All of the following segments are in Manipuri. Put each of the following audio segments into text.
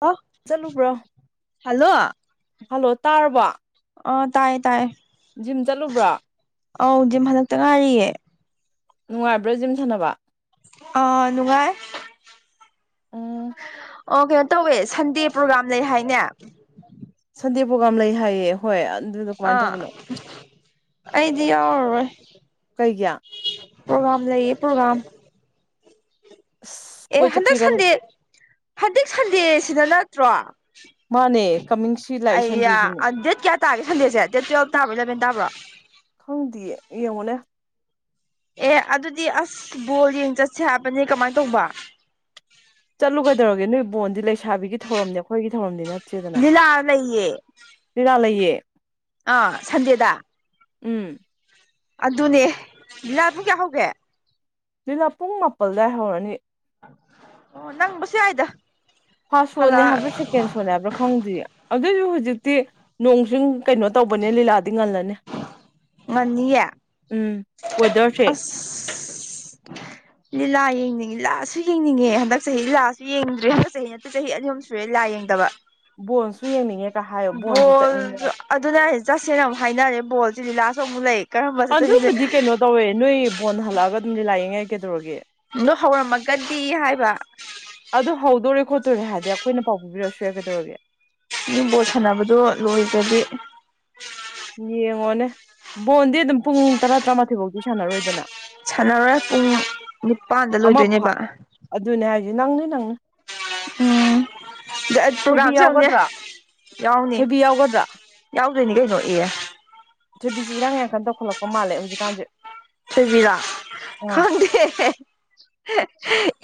ꯑꯣ ꯆꯠꯂꯨꯕ꯭ꯔꯣ ꯍꯜꯂꯣ ꯍꯜꯂꯣ ꯇꯥꯔꯕꯣ ꯑꯣ ꯇꯥꯏꯌꯦ ꯇꯥꯏꯌꯦ ꯖꯤꯝ ꯆꯠꯂꯨꯕ꯭ꯔꯣ꯫ ꯑꯧ ꯖꯤꯝ ꯍꯟꯂꯛꯇ ꯉꯥꯏꯔꯤꯌꯦ꯫ ꯅꯨꯡꯉꯥꯏꯕ꯭ꯔꯥ ꯖꯤꯝ ꯁꯥꯟꯅꯕ ꯑꯥ... ꯅꯨꯡꯉꯥꯏ ꯎꯝ ꯑꯣ ꯀꯩꯅꯣ ꯇꯧꯋꯦ ꯁꯟꯗꯦ ꯄ꯭ꯔꯣꯒ꯭ꯔꯥꯝ ꯂꯩ ꯍꯥꯏꯅꯦ꯫ ꯁꯟꯗꯦ ꯄ꯭ꯔꯣꯒꯥꯝ ꯂꯩ ꯍꯥꯏꯌꯦ ꯍꯣꯏ ꯑꯟ ꯑ ꯑꯩꯗꯤ ꯌꯥꯎꯔꯔꯣꯏ ꯀꯩꯒꯤ ꯄ꯭ꯔꯣꯒ꯭ꯔꯥꯝ ꯂꯩꯌꯦ ꯄ꯭ꯔꯣꯒ꯭ꯔꯥꯝ ꯑꯁ ꯑꯦ ꯀꯣꯏ ꯍꯟꯗꯛ ꯆꯠꯄꯤꯔ ꯁꯟꯗꯦ ꯍꯟꯗꯛ ꯁꯟꯗꯦ ꯁꯤꯗ ꯅꯠꯇ꯭ꯔꯣ꯫ ꯃꯥꯅꯦ ꯀꯃꯤꯡꯁꯤ ꯂꯥꯛꯏ ꯑꯩꯌꯥ ꯁꯟꯗꯦꯁꯤꯅꯦ ꯑ ꯗꯦꯠ ꯀꯌꯥ ꯇꯥꯒꯦ ꯁꯟꯗꯦꯠꯁꯦ ꯗꯦꯠ ꯇ꯭ꯋꯦꯜꯞ ꯇꯥꯕ꯭ꯔꯣ ꯏꯂꯕꯦꯟ ꯇꯥꯕ꯭ꯔꯣ ꯈꯪꯗꯤꯌꯦ ꯌꯨꯡꯉꯨꯅꯦ ꯑꯦ ꯑꯗꯨꯗꯤ ꯑꯁ ꯕꯣꯜ ꯌꯦꯡ ꯆꯠꯁꯦ ꯍꯥꯏꯕꯅꯦ ꯀꯃꯥꯏꯅ ꯇꯧꯕ ꯆꯠꯂꯨ ꯀꯩꯗꯧꯔꯒꯦ ꯅꯣꯏ ꯕꯣꯟꯗꯤ ꯂꯩꯁꯥꯕꯤꯒꯤ ꯊꯧꯔꯝꯅꯦ ꯑꯩꯈꯣꯏꯒꯤ ꯊꯧꯔꯝꯗꯤ ꯅꯠꯇꯦꯗꯅ ꯂꯤꯂꯥ ꯂꯩꯌꯦ ꯔꯤꯔꯤ ꯂꯩꯌꯦ ꯑ ꯁꯟꯗꯦꯗ ꯎꯝ ꯑꯗꯨꯅꯦ ꯂꯤꯂꯥ ꯄꯨꯡ ꯀꯌꯥ ꯍꯧꯒꯦ꯫ ꯂꯤꯂꯥ ꯄꯨꯡ ꯃꯥꯄꯜ ꯗꯥꯏ ꯍꯧꯔꯅꯤ꯫ ꯑꯣ ꯅꯪꯕꯁꯨ ꯌꯥꯏꯗ ꯐꯥꯔꯁ ꯁꯣꯅꯦ ꯍꯜꯂꯛ ꯍꯥꯏꯕ꯭ꯔꯥ ꯁꯦꯀꯦꯟ ꯁꯣꯅꯦ ꯍꯥꯏꯕ꯭ꯔꯥ ꯈꯪꯗ꯭ꯔꯤ ꯑꯗꯨꯏꯁꯨ ꯍꯧꯖꯤꯛꯇꯤ ꯅꯣꯡꯁꯤꯡ ꯀꯩꯅꯣ ꯇꯧꯕꯅꯦ ꯂꯤꯂꯥꯗꯤ ꯉꯜꯂꯅꯤ ꯉꯟꯅꯤꯌꯦ ꯎꯝ ꯋꯦꯗꯔꯁꯦ ꯑꯁ ꯂꯤꯂꯥ ꯌꯦꯡꯅꯤꯡꯉ ꯂꯤꯂꯥꯁꯨ ꯌꯦꯡꯅꯤꯡꯉꯦ ꯍꯟꯗꯛ ꯆꯍꯤ ꯂꯤꯂꯥꯁꯨ ꯌꯦꯡꯗꯔ꯭ꯤ ꯍꯟꯗꯛ ꯆꯍꯤ ꯆꯍꯤ ꯑꯅꯤ ꯑꯍꯨꯝ ꯁꯨꯔꯦ ꯂꯥꯏ ꯌꯦꯡꯗꯕ ꯕꯣꯟꯁꯨ ꯌꯦꯡꯅꯤꯡꯉꯦ ꯀ ꯍꯥꯏꯌꯣ ꯕꯣꯟꯁꯨ ꯆꯠꯅꯤꯡꯉꯦ ꯕꯣꯜꯁꯨ ꯑꯗꯨꯅ ꯑꯩ ꯆꯖꯁꯅ ꯑꯃꯨꯛ ꯍꯥꯏꯅꯔꯦ ꯕꯣꯜꯁꯤꯦꯗꯤ ꯂꯥꯁ ꯑꯃꯨꯛ ꯂꯩ ꯀꯔꯝꯕ ꯆꯠꯇꯣꯏꯅꯣꯁꯦ ꯑꯗꯨꯕꯨꯗꯤ ꯀꯩꯅꯣ ꯇꯧꯋꯦ ꯅꯣꯏ ꯕꯣꯟ ꯍꯜꯂꯛꯑꯒ ꯑꯗꯨꯝꯗꯤ ꯂꯥꯛꯏꯉꯥꯏ ꯀꯩꯗꯧꯔꯒꯦ ꯅꯣ ꯍꯧꯔꯝꯃꯒꯗꯤ ꯍꯥꯏꯕ ꯑꯗꯨ ꯍꯧꯗꯣꯔꯦ ꯈꯣꯠꯇꯣꯔꯦ ꯍꯥꯏꯗꯤ ꯑꯩꯈꯣꯏꯅ ꯄꯥꯎ ꯄꯤꯕꯤꯔꯛꯁꯨ ꯌꯥꯏ ꯀꯩꯗꯧꯔꯒꯦ ꯕꯣꯜ ꯁꯥꯟꯅꯕꯗꯣ ꯂꯣꯏꯒ꯭ꯔꯗꯤ ꯌꯦꯡꯉꯣꯅꯦ ꯕꯣꯜꯗꯤ ꯑꯗꯨꯝ ꯄꯨꯡ ꯇꯔꯥ ꯇꯔꯥꯃꯥꯊꯣꯏ ꯐꯥꯎꯗꯤ ꯁꯥꯟꯅꯔꯣꯏꯗꯅ ꯁꯥꯟꯅꯔꯣꯏ ꯄꯨꯡ ꯅꯤꯄꯥꯥꯟꯗ ꯑꯃ ꯂꯣꯏꯗꯣꯏꯅꯦꯕ ꯑꯗꯨꯅꯦ ꯍꯥꯏꯁꯦ ꯅꯪꯅꯦ ꯅꯪꯅꯤ ꯎꯝ ꯊꯣꯏꯕꯤ ꯄ꯭ꯔꯣꯒꯥꯝꯁꯨ ꯌꯥꯎꯅꯦ ꯌꯥꯎꯒꯗ꯭ꯔꯥ ꯌꯥꯎꯅꯤ ꯊꯣꯏꯕꯤ ꯌꯥꯎꯒꯗ꯭ꯔꯥ ꯌꯥꯎꯗꯣꯏꯅꯤ ꯀꯩꯅꯣ ꯏꯌꯦ ꯊꯣꯏꯕꯤꯁꯤ ꯏꯔꯥꯡ ꯌꯥꯡꯀꯟ ꯇꯈꯠꯂꯄ ꯃꯥꯜꯂꯦ ꯍꯧꯖꯤꯛꯀꯥꯟꯁꯦ ꯊꯦꯕꯤꯗ ꯑꯥ ꯈꯪꯗꯦ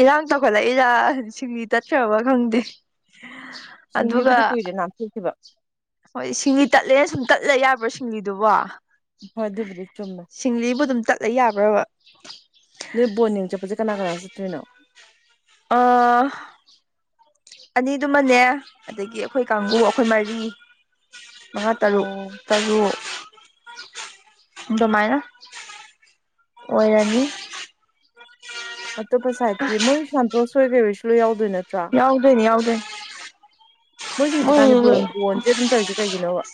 ꯏꯔꯥꯡ ꯇꯧꯈꯠꯂꯛꯏꯔ ꯁꯤꯡꯂꯤ ꯇꯠꯈꯕ ꯈꯪꯗꯦ ꯁꯤꯡꯂꯤ ꯑꯗꯨꯒ ꯕꯨꯗꯤ ꯀꯨꯏꯔꯦ ꯅꯥꯊꯣꯛꯈꯤꯕ ꯍꯣꯏ ꯁꯤꯡꯂꯤ ꯇꯠꯂꯦꯅ ꯁꯨꯝ ꯇꯠꯂ ꯌꯥꯕ꯭ꯔꯥ ꯁꯤꯡꯂꯤꯗꯨꯕꯣ ꯍꯣꯏ ꯑꯗꯨꯕꯨꯗꯤ ꯆꯨꯝꯅ ꯁꯤꯡꯂꯤꯕꯨ ꯑꯗꯨꯝ ꯆꯠꯂ ꯌꯥꯕ꯭ꯔꯕ ꯅꯣꯏ ꯕꯣꯟ ꯌꯦꯡ ꯆꯠꯄꯁꯦ ꯀꯅꯥ ꯀꯅꯥ ꯆꯠꯇ꯭ꯣꯏꯅꯣ ꯑꯥ ꯑꯅꯤꯗꯨꯃꯅꯦ ꯑꯗꯒꯤ ꯑꯩꯈꯣꯏ ꯀꯥꯡꯕꯨ ꯑꯩꯈꯣꯏ ꯃꯔꯤ ꯃꯍꯥ ꯇꯔꯨ ꯑꯣ ꯇꯔꯨ ꯑꯗꯨꯃꯥꯏꯅ ꯑꯣꯏꯔꯅꯤ ꯑꯇꯣꯞꯄ ꯁꯥꯏꯠꯇꯤ ꯃꯣꯏ ꯁꯟꯇꯣꯁ ꯍꯣꯏ ꯀꯩ ꯍꯣꯏꯁꯨ ꯂꯣꯏꯅꯥ ꯌꯥꯑꯣꯗꯣꯏ ꯅꯇꯔꯣ ꯅꯇ꯭ꯔ ꯌꯥꯎꯗꯣꯏꯅꯤ ꯌꯥꯎꯗꯣꯏꯅꯤ ꯃꯣꯏꯁꯦ ꯍꯧꯖꯤꯛ ꯃꯣꯏ ꯀꯥꯟꯅꯤꯄꯨꯔ ꯕꯣꯟꯁꯦ ꯑꯗꯨꯝ ꯇꯧꯔꯤꯁꯦ ꯀꯩꯒꯤꯅꯣꯕ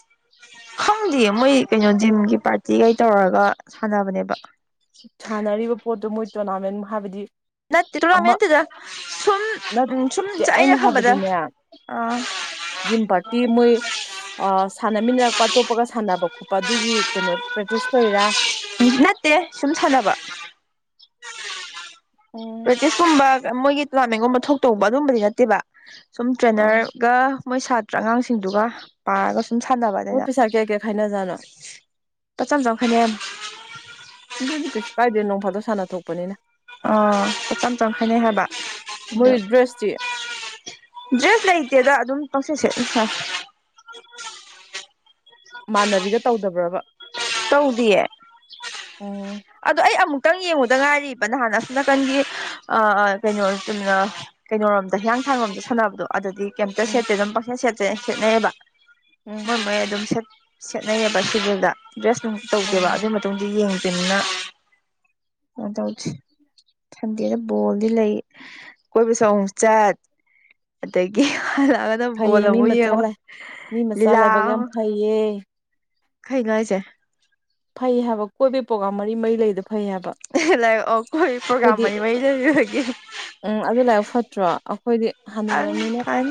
ꯈꯪꯗꯦ ꯃꯣꯏ ꯀꯩꯅꯣ ꯖꯤꯝꯒꯤ ꯄꯥꯔꯇꯤꯒꯩ ꯇꯧꯔꯒ ꯁꯥꯟꯅꯕꯅꯦꯕ ꯁꯥꯟꯅꯔꯤꯕ ꯄꯣꯠꯇꯣ ꯃꯣꯏ ꯇꯣꯔꯅꯥꯃꯦꯟ ꯍꯥꯏꯕꯗꯤ ꯅꯠꯇꯦ ꯑꯃ ꯇꯣꯔꯅꯥꯃꯦꯟꯗꯨꯨꯗ ꯁꯨꯝ ꯎ ꯁꯨꯝ ꯅꯠꯇꯦ ꯑꯩꯅ ꯈꯪꯕꯗ ꯍꯥꯏꯕꯗꯤꯅꯦ ꯑꯥ ꯖꯤꯝ ꯄꯥꯔꯇꯤ ꯃꯣꯏ ꯑ ꯁꯥꯟꯅꯃꯤꯟꯅꯔꯛꯄ ꯑꯇꯣꯞꯄꯒ ꯁꯥꯟꯅꯕ ꯈꯣꯠꯄ ꯑꯗꯨꯒꯤ ꯀꯩꯅꯣ ꯆꯨꯁ ꯇꯧ ꯔꯤꯔꯥ ꯅꯠꯇꯦ ꯁꯨꯝ ꯁꯥꯟꯅꯕ ꯑꯥ ꯄ꯭ꯔꯦꯛꯇꯤꯁꯀꯨꯝꯕ ꯃꯣꯏꯒꯤ ꯇꯣꯔꯅꯥꯃꯦꯟꯒꯨꯝꯕ ꯊꯣꯛꯇꯧꯕ ꯑꯗꯨꯝꯕꯗꯤ ꯅꯠꯇꯦꯕ ꯁꯨꯝ ꯇ꯭ꯔꯦꯅꯔ ꯒ ꯃꯣꯏ ꯁꯥꯇ꯭ꯔ ꯑꯉꯥꯡꯁꯤꯡꯗꯨꯒ ꯄꯥꯔꯒ ꯁꯨꯝ ꯁꯥꯟꯅꯕ ꯃꯣꯏ ꯑꯗꯨꯅ ꯄꯩꯁꯥ ꯀꯌꯥ ꯀꯌꯥ ꯈꯥꯏꯅꯖꯥꯠꯅꯣ ꯄꯠꯆꯝ ꯆꯈꯩꯅꯦ ꯑꯗꯨꯗꯤ ꯀꯩꯁꯨ ꯀꯥꯏꯗꯦ ꯅꯣꯡꯐꯥꯗꯣ ꯁꯥꯟꯅ ꯊꯣꯛꯄꯅꯤꯅ ꯑꯣ ꯆꯛꯇꯝ ꯆꯪꯈꯥꯏꯅꯦ ꯍꯥꯏꯕ ꯃꯣꯏ ꯑꯗꯨ ꯗ꯭ꯔꯦꯁꯇꯤ ꯗ꯭ꯔꯦꯁ ꯂꯩꯇꯦꯗ ꯑꯗꯨꯝ ꯄꯪꯁꯁꯦ ꯃꯥꯟꯅꯕꯤꯒ ꯇꯧꯗꯕ꯭ꯔꯕ ꯇꯧꯗꯤꯌꯦ ꯑꯣ ꯑꯗꯣ ꯑꯩ ꯑꯃꯨꯛꯇꯪ ꯌꯦꯡꯉꯨꯗ ꯉꯥꯏꯔꯤꯕ ꯅꯍꯥꯟ ꯑꯁꯣ ꯅꯥꯀꯟꯒꯤ ꯑ ꯀꯩꯅꯣꯅ ꯀꯩꯅꯣꯣꯔꯣꯝꯗ ꯍꯤꯌꯥꯡꯊꯥꯡꯂꯣꯝꯗ ꯁꯥꯟꯅꯕꯗꯣ ꯑꯗꯨꯗꯤ ꯀꯩꯝꯇ ꯎꯝ ꯁꯦꯠꯇꯦ ꯑꯗꯨꯝ ꯄꯪꯁꯦꯟ ꯁꯦꯠꯇꯦ ꯁꯦꯠꯅꯩꯌꯦꯕ ꯎꯝ ꯃꯣꯏ ꯃꯣꯏ ꯑꯗꯨꯝ ꯁꯦꯠꯅꯩꯑꯕ ꯁꯦꯗꯨꯜꯗ ꯗ꯭ꯔꯦꯁ ꯅꯨꯡ ꯇꯧꯗꯦꯕ ꯑꯗꯨ ꯎꯝ ꯗꯤ ꯌꯦꯡꯗꯅꯤꯅ ꯀꯩꯅ ꯇꯧꯗꯦ ꯊꯟꯗꯦꯅ ꯕꯣꯜꯗꯤ ꯂꯩ ꯀꯣꯏꯕꯁꯨ ꯑꯃꯨꯛ ꯆꯠ ꯑꯗꯒꯤꯂꯒꯅ ꯐꯩꯌꯦ ꯕꯣꯜ ꯃꯤ ꯑꯃꯨꯛ ꯃꯆꯥ ꯌꯦꯡꯉ ꯂꯤꯂꯥ ꯌꯦꯦ ꯈꯩꯅꯉꯥꯏꯁꯦ ꯐꯩ ꯍꯥꯏꯕ ꯀꯣꯏꯕ ꯄ꯭ꯔꯒꯥ꯭ꯔꯝ ꯃꯔꯤ ꯃꯔꯤ ꯂꯩꯗꯕ ꯂ ꯑꯩꯣꯏ ꯄ꯭ꯔꯣꯒꯥꯝ ꯃꯅꯤ ꯃꯔꯤ ꯂꯩꯔꯒꯦ ꯎꯝ ꯑꯗꯨ ꯂꯥꯏꯔꯤꯛ ꯐꯠꯇ꯭ꯔꯣ ꯑꯩꯈꯣꯏꯗꯤ ꯍꯅꯨꯔꯕꯅꯤꯅ ꯟꯟ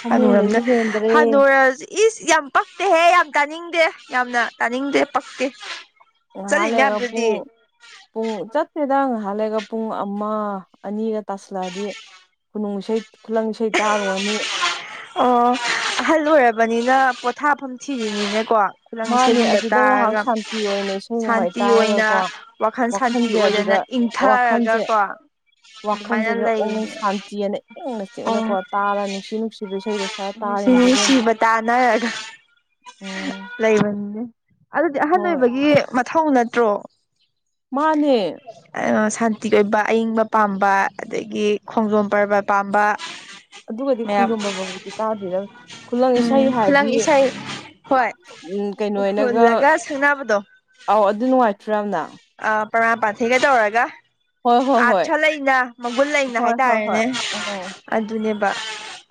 ꯐꯃꯨꯡꯗꯒꯤ ꯍꯅꯨꯔꯝꯗ ꯍꯦꯟꯗ꯭ꯔꯦ ꯍꯅꯨꯔ ꯏꯁ ꯌꯥꯝ ꯄꯛꯇꯦꯍꯦ ꯌꯥꯝ ꯇꯥꯅꯤꯡꯗꯦ ꯌꯥꯝꯅ ꯇꯥꯅꯤꯡꯗꯦ ꯄꯛꯇꯦ ꯉꯥꯏꯍꯥꯛ ꯂꯩꯔꯒ ꯆꯠꯂꯤꯅꯦꯌꯥꯝꯗꯨꯗꯤ ꯄꯨꯡ ꯄꯨꯡ ꯆꯠꯇꯠꯇꯦꯗ ꯉꯍꯥꯟꯜꯂꯒ ꯄꯨꯡ ꯑꯃ ꯑꯅꯤꯒ ꯇꯥꯁꯂꯛꯑꯗꯤ ꯈꯨꯅꯨꯡ ꯏꯁꯩ ꯈꯨꯂꯪ ꯏꯁꯩ ꯇꯥꯔꯨꯔꯅꯤ ꯑꯣ ꯑꯍꯜ ꯑꯣꯏꯔꯕꯅꯤꯅ ꯄꯣꯊꯥꯐꯝ ꯊꯤꯔꯤꯅꯤꯅꯦꯀꯣ ꯈꯨꯂꯪ ꯃꯥꯅꯦ ꯏꯁꯩꯒꯨꯝꯕ ꯑꯗꯨꯗ ꯉꯥꯏꯍꯥꯛ ꯇꯥꯔꯒ ꯁꯥꯟꯇꯤ ꯑꯣꯏꯅ ꯏꯁꯩ ꯅꯣꯡꯃꯥꯏ ꯁꯥꯟꯇꯤ ꯑꯣꯏꯅ ꯇꯥꯔꯒꯀꯣ ꯋꯥꯈꯜ ꯁꯥꯟꯇꯤ ꯋꯥꯈꯜꯁꯦ ꯑꯣꯏꯅꯗꯅ ꯑꯗꯨꯗ ꯋꯥꯈꯜꯁꯦ ꯏꯪꯊꯔꯒꯀꯣ ꯋꯥꯈꯜꯁꯤꯗ ꯑꯣꯡ ꯁꯥꯟꯇꯤ ꯑꯅ ꯏꯪꯅ ꯆꯤꯛꯅꯀꯣ ꯇꯥꯔ ꯅꯨꯡꯁꯤ ꯅꯨꯡꯁꯤꯕ ꯏꯁꯩꯗꯁꯨ ꯎ ꯁꯤ ꯁꯤꯕ ꯇꯥꯅꯔꯒ ꯎꯝ ꯂꯩꯕꯅꯤꯅꯦ ꯑꯗꯨꯗꯤ ꯑꯍꯟ ꯍꯣꯏ ꯑꯣꯏꯕꯒꯤ ꯃꯊꯧ ꯅꯠꯇ꯭ꯔꯣ ꯃꯥꯅꯦ ꯁꯥꯟꯇꯤ ꯑꯣꯏꯕ ꯑꯏꯤꯡꯕ ꯄꯥꯝꯕ ꯑꯗꯒꯤ ꯈꯣꯡꯖꯣꯝ ꯄꯔꯕ ꯄꯥꯝꯕ ꯑꯗꯨꯒꯗꯤ ꯃꯌꯥꯝ ꯈꯣꯡꯖꯣꯝ ꯕ꯭ꯔꯕꯕꯨꯗꯤ ꯇꯥꯗꯣꯏꯗ ꯈꯨꯂꯪ ꯏꯁꯩ ꯎꯝ ꯍꯥꯏꯔꯗꯤ ꯈꯨꯂꯪ ꯏꯁꯩ ꯍꯣꯏ ꯎꯝ ꯀꯩꯅꯣꯅꯒ ꯍꯨꯜꯂꯒ ꯁꯛꯅꯕꯗꯣ ꯑꯥꯎ ꯑꯗꯨ ꯅꯨꯡꯉꯥꯏꯇ꯭ꯔꯕꯅ ꯑ ꯄ꯭ꯔꯃꯥꯄꯥ ꯊꯤꯒꯩꯗ ꯑꯣꯔꯒ ꯍꯣꯏ ꯍꯣꯏ ꯍꯣꯏ ꯑꯥꯊ ꯂꯩꯅ ꯃꯒꯨꯟ ꯂꯩꯅ ꯍꯣꯏ ꯍꯣꯏ ꯍꯣꯏ ꯍꯥꯏꯇꯥꯔꯦꯅꯦ ꯎꯝ ꯑꯗꯨꯅꯦꯕ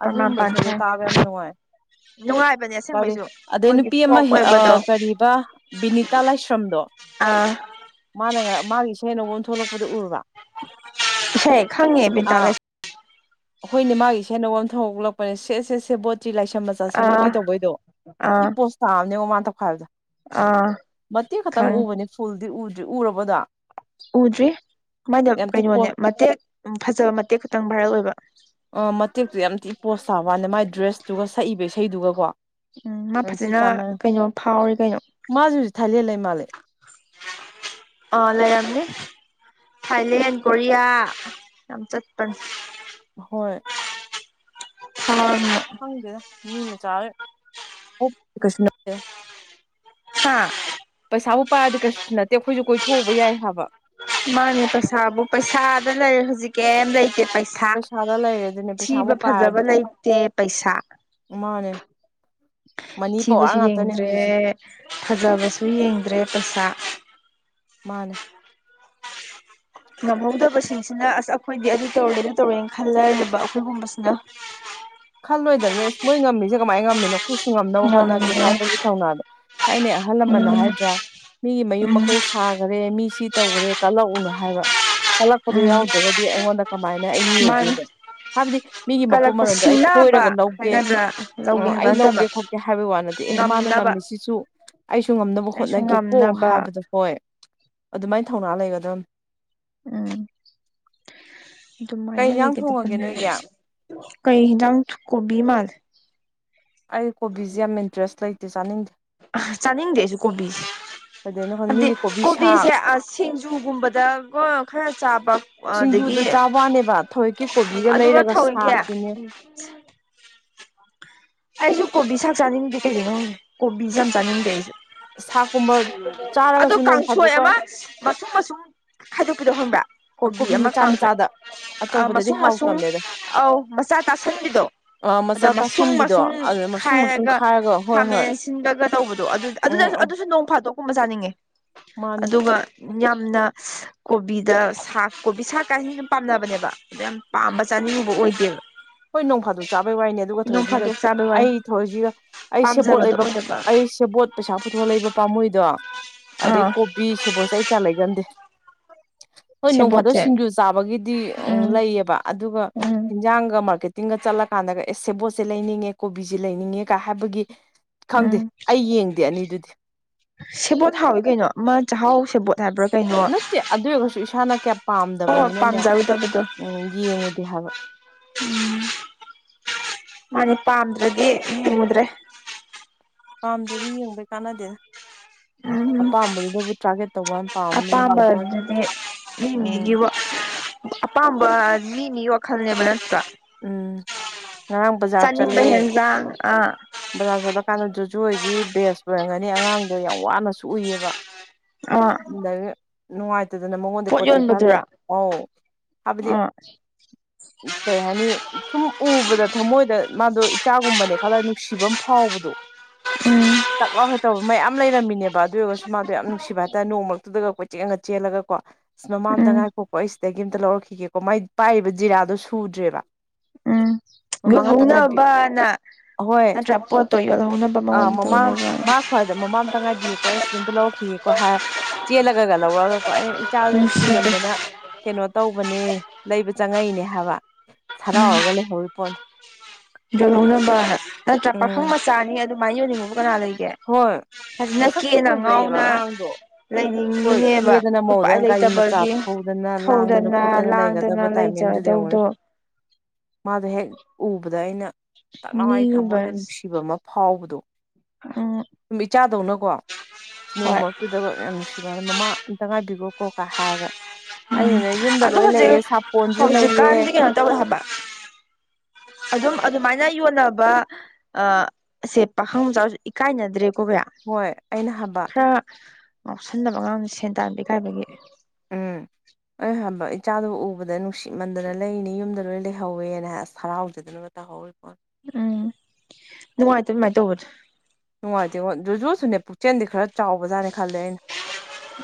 ꯇꯅꯥ ꯑꯗꯨꯒꯨꯝꯕ ꯏꯁꯩꯗꯣ ꯄꯖꯦ ꯇꯥꯕ ꯌꯥꯝ ꯅꯨꯡꯉꯥꯏ ꯅꯨꯡꯉꯥꯏꯕꯅꯦ ꯀꯔꯤ ꯑꯁꯦꯡꯕꯩꯁꯨ ꯑꯗꯩ ꯃꯣꯏꯒꯤ ꯅꯨꯄꯤ ꯑꯃ ꯐꯣꯛ ꯑꯣꯏꯕꯗꯣ ꯀꯔꯤꯕ ꯕꯤꯅꯤꯇꯥ ꯂꯥꯏꯁ꯭ꯔꯝꯗꯣ ꯑꯥ ꯃꯥꯅ ꯃꯥꯒꯤ ꯏꯁꯩꯅꯒꯝ ꯊꯣꯛꯂꯛꯄꯗ ꯎꯔꯨꯔꯕꯥ ꯍꯦ ꯈꯉꯦ ꯄ ꯇꯂꯦ ꯍꯣꯏꯅꯦ ꯃꯥꯒꯤ ꯁꯦꯅ ꯋꯥꯝ ꯊꯣꯛꯂꯛꯄꯅꯦ ꯁꯦ ꯁꯦꯠ ꯁꯦ ꯕꯣꯠꯇ꯭ꯤ ꯂꯥꯏꯁꯝ ꯆꯁꯤꯦꯕꯣꯔꯇꯤ ꯑꯥ ꯇꯧꯕꯩꯗꯣ ꯏ ꯑꯥ ꯄꯣꯁ ꯇꯥꯑꯕꯅꯦꯕꯣ ꯃꯥꯅ ꯇꯧꯈꯥꯏ ꯍꯥꯏꯕꯗꯣ ꯑꯥ ꯃꯇꯦꯛ ꯈꯛꯇꯪ ꯈꯪꯉꯦ ꯎꯕꯅꯦ ꯐꯨꯜꯗꯤ ꯎꯗ꯭ꯔꯤ ꯎꯔꯕꯗꯣ ꯎꯗ꯭ꯔꯤ ꯃꯅ ꯊꯤ ꯄꯣ ꯀꯩꯅꯣꯅꯦ ꯃꯇꯦꯛ ꯐꯖꯕ ꯃꯇꯦꯛ ꯈꯛꯇꯪ ꯚꯥꯏꯔꯛ ꯑꯣꯏꯕ ꯑ ꯃꯇꯦꯛꯇꯣ ꯌꯥꯝ ꯊꯤꯛ ꯄꯣꯁ ꯁꯥꯥꯕ ꯋꯥꯅꯤꯅꯦ ꯃꯥꯏ ꯗ꯭ꯔꯦꯁꯇꯨꯒ ꯁꯛꯏꯕ ꯏꯁꯩꯗꯨꯒꯀꯣ ꯎꯝ ꯃꯥ ꯐꯖꯅ ꯀꯩꯅꯣ ꯐꯥꯎꯋꯤ ꯀꯩꯅꯣ ꯃꯥꯖꯨ ꯍꯨꯖꯤꯛ ꯊꯥꯏꯂꯦ ꯂꯩ ꯃꯥꯜꯂꯦ ꯑ ꯂꯩꯔꯝꯅꯤ ꯊꯥꯏꯂꯦꯟ ꯀꯣꯔꯤꯌꯥ ꯌꯥꯝ ꯆꯠꯄꯅꯦ ꯍꯣꯏ ꯍ ꯗ ꯅꯤꯃ ꯆꯥ ꯀ ꯍꯥꯥ ꯄꯩꯁꯥꯕꯨ ꯄꯥꯔꯗꯤ ꯀꯩꯁꯨ ꯅꯠꯇꯦ ꯑꯩꯈꯣꯏꯁꯨ ꯀꯣꯏꯊꯣꯛꯎꯕ ꯌꯥꯏ ꯍꯥꯏꯕ ꯃꯥꯅꯦ ꯄꯩꯁꯥꯕꯨ ꯄꯩꯁꯥꯗ ꯂꯩꯔꯦ ꯍꯧꯖꯤꯛ ꯀꯩꯝ ꯂꯩꯇꯦ ꯄꯩ ꯁꯥ ꯄꯩꯁꯥꯗ ꯂꯩꯔꯦ ꯑꯗꯨꯅꯦ ꯄꯩꯁꯥꯕꯨ ꯊꯤꯕ ꯐꯖꯕ ꯄꯥꯏꯔꯗꯤ ꯂꯩꯇꯦ ꯄꯩꯁꯥ ꯃꯥꯅꯦ ꯃꯅꯤ ꯄꯋꯥꯔ ꯊꯤꯕꯁꯨ ꯉꯥꯛꯇꯅꯦ ꯌꯦꯡꯗ꯭ꯔꯦ ꯍꯧꯖꯤꯛꯁꯦ ꯐꯖꯕꯁꯨ ꯌꯦꯡꯗ꯭ꯔꯦ ꯄꯩꯁꯥ ꯃꯥꯅꯦ ꯉꯝꯍꯧꯗꯕꯁꯤꯡꯁꯤꯅ ꯑꯁ ꯑꯩꯈꯣꯏꯗꯤ ꯑꯗꯨ ꯇꯧꯔꯦꯅ ꯇꯧꯔꯦꯅ ꯈꯜꯂꯅꯤꯕ ꯑꯩꯈꯣꯏꯒꯨꯝꯕꯁꯤꯅ ꯈꯜꯂꯣꯏꯗꯝꯅꯦ ꯑꯁ ꯃꯣꯏ ꯉꯝꯃꯤꯖꯦ ꯀꯃꯥꯏ ꯉꯝꯃꯤꯅꯣ ꯑꯩꯈꯣꯢꯁꯨ ꯉꯝꯅꯕ ꯍꯣꯠꯅꯒꯦ ꯉꯝꯗꯦ ꯍꯥꯏꯕꯒꯤ ꯊꯧꯅꯥꯗꯣ ꯊꯥꯏꯅꯩ ꯑꯍꯜ ꯂꯃꯟꯅ ꯎꯝ ꯍꯥꯏꯗ꯭ꯔꯥ ꯃꯤꯒꯤ ꯃꯌꯨꯝ ꯎꯝ ꯃꯀꯩ ꯁꯥꯈꯔꯦ ꯃꯤ ꯁꯤ ꯇꯧꯒ꯭ꯔꯦ ꯀꯜꯂꯛꯎꯅꯣ ꯍꯥꯏꯕ ꯀꯜꯂꯛꯄꯗꯣ ꯎꯝ ꯌꯥꯎꯗ꯭ꯔꯒꯗꯤ ꯑꯩꯉꯣꯟꯗ ꯀꯃꯥꯏꯅ ꯑꯩ ꯃꯤ ꯃꯥꯅꯤ ꯑꯣꯏꯗꯣꯏꯅꯣ ꯍꯥꯏꯕꯗꯤ ꯃꯤꯒꯤ ꯃꯄꯨꯞ ꯀꯜꯂꯛꯄ ꯃꯔꯣꯟꯗꯣ ꯑꯩ ꯀꯣꯏꯔꯒ ꯁꯤꯡꯅꯕ ꯂꯧꯒꯦ ꯍꯥꯏꯒꯗ꯭ꯔꯥ ꯎ ꯂꯧꯒꯦ ꯑꯩ ꯍꯥꯏꯕ ꯅꯠꯇꯕ ꯂꯧꯒꯦ ꯈꯣꯠꯀꯦ ꯍꯥꯏꯕꯩ ꯋꯥ ꯅꯠꯇꯦ ꯑꯦ ꯃꯥꯅ ꯉꯝꯅꯕ ꯉꯝꯃꯤꯁꯤꯁꯨ ꯑꯩꯁꯨ ꯉꯝꯅꯕ ꯑꯩꯁꯨ ꯍꯣꯠꯅꯒꯦꯀꯣ ꯉꯝꯅꯕ ꯍꯥꯕꯗꯣ ꯍꯣꯏ ꯑꯗꯨꯃꯥꯏꯅ ꯊꯧꯅꯥ ꯂꯩꯒꯗꯝ ꯎꯝ ꯀꯩ ꯑꯗꯨꯃꯥꯏꯅ ꯏꯟꯖꯥꯡ ꯊꯣꯡꯉꯒꯦ ꯂꯩꯒꯗꯕꯅꯦ ꯅꯣꯏꯒꯤ ꯀꯩ ꯍꯤꯟꯖꯥꯡ ꯀꯣꯕꯤ ꯃꯥꯜꯂꯦ ꯑꯩ ꯀꯣꯕꯤꯖꯦ ꯌꯥꯝ ꯏꯟꯇꯔꯦꯁ ꯂꯩꯇꯦ ꯆꯥꯅꯤꯡꯗꯦ ꯑ ꯆꯥꯅꯤꯡꯗꯦ ꯑꯩꯁꯨ ꯀꯣꯕꯤꯖꯦ ꯀꯩꯗꯩꯅꯣ ꯈꯪꯗꯦ ꯍꯥꯏꯗꯤ ꯃꯤꯗꯤ ꯀꯣꯕꯤ ꯁꯥꯛ ꯀꯣꯕꯤꯁꯦ ꯁꯤꯡꯖꯨꯒꯨꯝꯕꯗꯒ ꯈꯔ ꯆꯥꯕ ꯑꯗꯒꯤ ꯁꯤꯡꯖꯨꯗ ꯆꯥꯕꯋꯥꯅꯦꯕ ꯊꯑꯣꯏꯀꯤ ꯀꯣꯕꯤꯒ ꯑꯗꯨꯒ ꯂꯩꯔꯒ ꯊꯧꯋꯣꯡꯀꯤ ꯁꯥꯛꯇꯤꯅꯦ ꯑꯩꯁꯨ ꯀꯣꯕꯤ ꯆꯥꯛ ꯆꯥꯅꯤꯡꯗꯦ ꯀꯩꯒꯤꯅꯣ ꯈꯪꯠꯦ ꯀꯣꯕꯤꯟꯖꯦ ꯌꯥꯝ ꯆꯥꯅꯤꯡꯗꯦ ꯑꯩꯖꯨ ꯁꯥꯛꯀꯨꯝꯕ ꯑꯗꯨ ꯆꯥꯔꯒꯁꯨ ꯅꯣꯡ ꯀꯥꯡꯁꯣꯏ ꯐꯥꯗꯣꯛꯀ ꯑꯃ ꯃꯁꯨꯡ ꯃꯁꯨꯝ ꯈꯥꯏꯗꯣꯛꯄꯤꯗꯣ ꯈꯪꯕ꯭ꯔꯥ ꯀꯣꯕꯤ ꯑꯃ ꯃꯆꯥ ꯀꯥꯡꯁꯣꯢ ꯃꯆꯥꯗ ꯑ ꯑꯆꯧꯕꯗꯗꯤ ꯃꯁꯨꯡ ꯃꯁꯨꯝ ꯍꯥꯎꯇꯝꯅꯦꯗ ꯑꯧ ꯃꯆꯥ ꯇꯥꯁꯟꯕꯤꯗꯣ ꯑ ꯑꯗ ꯃꯆꯥ ꯃꯁꯨꯡ ꯇꯥꯁꯟꯕꯤꯗꯣ ꯃꯁꯨꯡ ꯑꯗ ꯃꯁꯨꯡ ꯃꯁꯨꯡ ꯈꯥꯢꯔꯒ ꯈꯥꯏꯔꯒ ꯍꯣꯏ ꯈꯥꯃꯦꯟ ꯍꯣꯏ ꯐꯁꯤꯟꯕꯒ ꯇꯧꯕꯗꯣ ꯑꯗꯨꯗ ꯎꯝ ꯑꯗꯨꯁꯨ ꯅꯣꯡ ꯐꯥꯗꯣꯛꯀꯨꯝꯕ ꯆꯥꯅꯤꯡꯉꯦ ꯃꯥꯅꯦ ꯑꯗꯨꯒ ꯌꯥꯝꯅ ꯀꯣꯕꯤꯗ ꯁꯥꯛ ꯀꯣꯕꯤ ꯁꯥꯛ ꯀꯥꯏꯁꯤ ꯁꯨꯝ ꯄꯥꯝꯅꯕꯅꯦꯕ ꯑꯗꯨ ꯌꯥꯝ ꯄꯥꯝꯕ ꯆꯥꯅꯤꯡꯉꯨꯕ ꯑꯣꯏꯗꯦꯕ ꯍꯣꯏ ꯅꯣꯡ ꯐꯥꯗꯣꯛ ꯆꯥꯕꯩ ꯋꯥꯏꯅꯦ ꯑꯗꯨꯒ ꯅꯣꯡ ꯊꯣꯢꯡꯀꯤꯒ ꯐꯥꯗꯣꯛ ꯆꯥꯕꯩ ꯋꯥꯅꯤ ꯊꯣꯏꯡꯒꯤꯒ ꯑꯩ ꯁꯦꯕꯣꯠ ꯄꯥꯝꯖꯕꯗꯣ ꯂꯩꯕ ꯑꯣꯏꯗꯕ ꯑꯩ ꯑꯩ ꯁꯦꯕꯣꯠ ꯄꯩꯁꯥ ꯄꯨꯊꯣꯛꯑ ꯂꯩꯏꯕ ꯄꯥꯝꯃꯣꯏꯗꯣ ꯑꯗꯩ ꯑꯥ ꯀꯣꯕꯤ ꯁꯦꯕꯣꯠꯁꯦ ꯑꯩ ꯀꯌꯥ ꯂꯩꯒꯟꯗꯦ ꯍꯣꯏ ꯅꯣꯡ ꯐꯥꯗꯣꯛ ꯁꯦꯕꯣꯠꯁꯦ ꯁꯤꯡꯖꯨ ꯆꯥꯕꯒꯤꯗꯤ ꯎ ꯎꯝ ꯂꯩꯌꯦꯕ ꯑꯗꯨꯒ ꯎꯝ ꯍꯤꯟꯖꯥꯡꯒ ꯃꯔ ꯀꯦꯇꯤꯡꯒ ꯆꯠꯂꯀꯥꯟꯗꯒ ꯑꯦ ꯁꯦꯕꯣꯠꯁꯦ ꯂꯩꯅꯤꯡꯉꯦ ꯀꯣꯕꯤꯖꯦ ꯂꯩꯅꯤꯡꯉꯦ ꯀ ꯍꯥꯕꯒꯤ ꯈꯪꯗꯦ ꯎꯝ ꯑꯩ ꯌꯦꯡꯗꯦ ꯑꯅꯤꯗꯨꯗꯤ ꯁꯦꯕꯣꯠ ꯍꯥꯎꯋꯤ ꯀꯩꯅꯣ ꯃꯥ ꯆꯥꯛꯍꯥꯎ ꯁꯦꯕꯣꯠ ꯇꯥꯕ꯭ꯔꯣ ꯀꯩꯅꯣ ꯅꯠꯇꯦ ꯑꯗꯨ ꯑꯣꯏꯔꯒꯁꯨ ꯏꯁꯥꯅ ꯀꯌꯥ ꯍꯣꯏ ꯄꯥꯝꯗꯕꯅꯤꯅꯅꯦ ꯄꯥꯝꯖꯔꯨꯗꯕꯗꯣ ꯎꯝ ꯌꯦꯡꯉꯨꯗꯦ ꯍꯥꯏꯕ ꯎꯝ ꯃꯥꯅꯦ ꯄꯥꯝꯗ꯭ꯔꯗꯤ ꯌꯦꯡꯉꯨꯗ꯭ꯔꯦ ꯄꯥꯝꯗ꯭ꯔꯗꯤ ꯌꯦꯡꯕꯩ ꯀꯥꯟꯅꯗꯦ ꯑꯄꯥꯝꯕꯗꯨꯗꯕꯨ ꯇ꯭ꯔꯥꯒꯦꯠ ꯇꯧꯕ ꯋꯥꯅꯤ ꯄꯥꯝꯕ ꯌꯦꯡꯕ ꯑꯄꯥꯝꯕ ꯋꯥꯅꯤ ꯑꯗꯨꯗꯤ ꯃꯤ ꯎꯝ ꯃꯤꯒꯤ ꯋꯥ ꯑꯄꯥꯝꯕ ꯃꯤꯅꯤ ꯋꯥꯈꯜꯅꯦꯕ ꯅꯠꯇ꯭ꯔ ꯎꯝ ꯉꯔꯥꯡ ꯕꯖꯥꯔ ꯆꯠꯂꯦ ꯆꯅꯤꯡꯕ ꯍꯦꯟꯗꯥꯥꯡ ꯑ ꯕꯖꯥꯔ ꯆꯠꯂꯀꯥꯟꯗ ꯖꯨꯖꯨꯣꯏꯒꯤ ꯕꯦꯁ ꯑꯣꯏꯔꯝꯒꯅꯤ ꯑꯉꯥꯡꯗꯣ ꯌꯥꯝ ꯋꯥꯅꯁꯨ ꯎꯏꯌꯦꯕ ꯑꯥ ꯗꯒꯤ ꯅꯨꯡꯉꯥꯏꯇꯗꯅ ꯃꯉꯣꯟꯗꯤ ꯄꯣꯠ ꯆꯩꯩ ꯈꯔꯍꯜꯂꯦ ꯑꯧ ꯍꯥꯏꯕꯗꯤ ꯑ ꯀꯩ ꯍꯥꯏꯅꯤ ꯁꯨꯝ ꯎꯕꯗ ꯊꯃꯣꯏꯗ ꯃꯥꯗꯣ ꯆꯥꯒꯨꯝꯕꯅꯦ ꯈꯜꯂ ꯅꯨꯡꯁꯤꯕ ꯑꯃ ꯐꯥꯎꯕꯗꯣ ꯎꯝ ꯇꯛ ꯂꯥꯎꯅ ꯇꯧꯕ ꯃꯌꯥꯝ ꯂꯩꯔꯝꯃꯤꯅꯦꯕ ꯑꯗꯨ ꯑꯣꯏꯔꯒꯁꯨ ꯃꯥꯗꯣ ꯌꯥꯝ ꯅꯨꯡꯁꯤꯕ ꯍꯥꯏꯇꯥꯔꯦ ꯅꯣꯡ ꯃꯔꯛꯇꯨꯗꯒ ꯀꯣꯏ ꯆꯦꯟꯒ ꯆꯦꯜꯂꯒꯀꯣ ꯢꯁ ꯃꯃꯥ ꯑꯝꯇ ꯎꯝ ꯉꯥꯏꯈꯣꯀꯣ ꯑꯩ ꯁꯤꯗꯒꯤ ꯑꯝꯇ ꯂꯧꯔꯛꯈꯤꯒꯦꯀꯣ ꯃꯥꯏ ꯄꯥꯏꯔꯤꯕ ꯖꯤꯔꯥꯗꯣ ꯁꯨ ꯗ꯭ꯔꯦꯕ ꯎꯝ ꯌꯣꯜꯍꯧꯅꯕꯅ ꯑꯍꯣꯏ ꯅꯠꯇ꯭ꯔꯥ ꯄꯣꯠꯇꯣ ꯌꯣꯜꯍꯧꯅꯕ ꯃꯉꯣꯟꯗ ꯇꯧꯅꯕꯅ ꯈꯣꯏ ꯑꯗꯨꯗ ꯃꯃꯥꯝꯇ ꯉꯥꯏꯕꯤꯌꯨꯀꯣ ꯑꯦꯛꯁꯤꯗꯦꯟꯇ ꯂꯧꯔꯛꯈꯤꯒꯦꯀꯣ ꯍꯥꯏ ꯆꯦꯜꯂꯒ ꯂꯧꯔꯒ ꯍꯣꯏ ꯑꯩ ꯏꯆꯥ ꯅꯨꯡꯁꯤꯗꯦ ꯅꯨꯡꯁꯤꯃꯟꯗꯅ ꯀꯩꯅꯣ ꯇꯧꯕꯅꯦ ꯂꯩꯕ ꯆꯪꯉꯛꯏꯅꯦ ꯍꯥꯏꯕ ꯁꯔꯥꯎꯔꯒ ꯂꯩꯍꯧꯔꯤ ꯄꯣꯠꯁ ꯂꯨꯝꯕ ꯅꯠꯇ꯭ꯔꯥ ꯄꯥꯈꯨꯡ ꯎꯝ ꯃꯆꯥꯅꯤ ꯑꯗꯨꯃꯥꯏꯅ ꯌꯣꯟꯅꯤꯡꯕꯕꯨ ꯀꯅꯥ ꯂꯩꯒꯦ ꯍꯣꯏ ꯑꯗꯨꯅ ꯀꯦ ꯃꯁꯛꯁꯨ ꯐꯖꯩꯌꯦꯕ ꯅꯪꯉꯎꯅ ꯑꯉꯥꯡꯗꯣ ꯍꯣꯏ ꯂꯩꯅꯤꯡꯉꯤꯅꯦꯕ ꯀꯦꯗꯅ ꯎꯄꯥꯏ ꯃꯧꯗꯅ ꯒꯥꯔꯤ ꯃꯆꯥ ꯂꯩꯇꯕꯒꯤ ꯊꯧꯗꯅ ꯂꯥꯡꯗꯅ ꯊꯧꯗꯅ ꯈꯣꯠꯇꯅ ꯂꯥꯡꯗꯅ ꯂꯩꯒꯗꯕ ꯂꯩꯖ ꯇꯥꯏꯃꯤꯡꯗꯨꯗ ꯌꯦꯡꯉꯨꯅꯦ ꯇꯧꯗꯣ ꯃꯥꯗꯣ ꯍꯦꯛ ꯎꯕꯗ ꯑꯩꯅ ꯇꯛꯂꯏ ꯃꯤꯑꯣꯏꯕ ꯊꯃꯣꯏꯗ ꯅꯨꯡꯁꯤꯕ ꯑꯃ ꯐꯥꯎꯕꯗꯣ ꯎꯝ ꯁꯨꯝ ꯏꯆꯥꯗꯧꯅꯀꯣ ꯍꯣꯏ ꯅꯣꯡꯃ ꯑꯗꯨꯨꯗꯒ ꯌꯥꯝ ꯅꯨꯡꯁꯤꯕ ꯃꯃꯥ ꯑꯝꯇ ꯉꯥꯏꯕꯤꯈꯣ ꯀꯣ ꯀꯥ ꯍꯥꯏꯔꯒ ꯑꯩꯅꯅꯦ ꯌꯨꯝꯗ ꯑꯗꯣ ꯂꯣꯏ ꯂꯩꯑ ꯁꯥꯄꯣꯟꯁꯨ ꯂꯩꯌꯦ ꯇꯧꯕ ꯑꯗꯨꯝ ꯑꯗꯨꯃꯥꯏꯅ ꯌꯣꯟꯅꯕ ꯑꯁꯦ ꯄꯥꯈꯪ ꯃꯆꯥꯥꯎꯁꯨ ꯏꯀꯥꯏꯅꯗ꯭ꯔꯦ ꯀꯣ ꯕꯔꯥ ꯍꯣꯏ ꯑꯩꯅ ꯍꯥꯏꯕ ꯈꯔ ꯉꯥꯎꯁꯟꯗꯕ ꯑꯉꯥꯡꯁ ꯁꯦꯟ ꯇꯥꯟꯕ ꯄ ꯀꯥꯏꯕꯒꯤ ꯎꯝ ꯍ ꯍꯕ ꯏꯆꯥꯗꯨꯕꯨ ꯎꯕꯗ ꯅꯨꯡꯁꯤꯠꯃꯟꯗꯅ ꯂꯩꯅꯤ ꯌꯨꯝꯗ ꯂꯣꯏ ꯂꯩꯍꯧꯋꯦꯅ ꯍꯥꯏ ꯍꯔꯥꯎꯖꯗꯅ ꯍꯋꯕ ꯎꯝ ꯅꯨꯡꯉꯥꯏꯇ ꯅꯨꯡꯃꯥꯏꯅ ꯇꯧꯕꯗ ꯅꯨꯡꯉꯥꯏꯇꯦꯉꯨꯖꯨꯁꯨꯅꯦ ꯄꯨꯛꯆꯦꯜꯗꯤ ꯈꯔ ꯆꯥꯎꯕꯖꯥꯠꯅꯦ ꯈꯜꯂꯦ ꯑꯩꯅ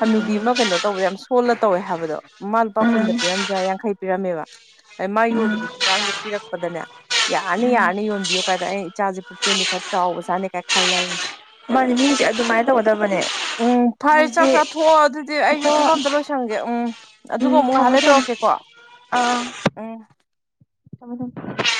ꯍꯟꯅꯨꯕꯤ ꯑꯃ ꯀꯩꯅꯣ ꯇꯧꯕꯗ ꯌꯥꯝ ꯁꯣꯜꯂ ꯇꯧꯋꯦ ꯍꯥꯏꯕꯗꯣ ꯃꯥꯃ ꯂꯨꯄꯥ ꯀꯨꯟꯗ ꯎꯝ ꯄꯤꯔꯝꯗ꯭ꯔ ꯌꯥꯡꯈꯩ ꯄꯤꯔꯝꯃꯦꯕ ꯑꯩ ꯃꯥ ꯌꯣꯜꯂꯤꯕ ꯍꯤꯟꯖꯥꯡꯗꯣ ꯄꯤꯔꯛꯄꯗꯅꯦ ꯌꯥꯔꯅꯤ ꯎꯝ ꯌꯥꯔꯅꯤ ꯌꯣꯟꯕꯤꯌꯨ ꯀꯥꯏꯗ ꯑꯩ ꯏꯆꯥꯁꯦ ꯄꯨꯛꯆꯦꯟꯗꯤ ꯈꯔ ꯆꯥꯎꯕ ꯆꯥꯠꯅꯤ ꯀꯥꯏ ꯈꯜꯂ ꯃꯥꯅꯤ ꯃꯤꯁꯦ ꯑꯗꯨꯃꯥꯏꯅ ꯇꯧꯒꯗꯕꯅꯦ ꯎꯝ ꯐꯔꯦ ꯆꯥꯛ ꯍꯥꯏꯕꯗꯤ ꯆꯥꯊꯣꯛꯑꯣ ꯑꯗꯨꯗꯤ ꯑꯩꯁꯨ ꯍꯣ ꯊꯕ ꯑꯃꯗ ꯂꯣꯏꯁꯟꯒꯦ ꯎꯝ ꯑꯗꯨꯒ ꯑꯃꯨꯛ ꯉꯍꯜꯂꯦ ꯇꯧꯔꯛꯀꯦꯀꯣ ꯎꯝ ꯑ